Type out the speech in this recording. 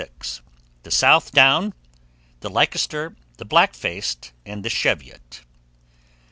THE SOUTH DOWN, the LEICESTER, the BLACK FACED, and the CHEVIOT.